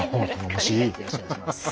よろしくお願いします。